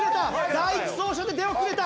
第１走者で出遅れた。